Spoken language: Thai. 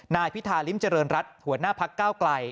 นายพิธาริมเจริญรัฐหัวหน้าพักก้าวไกล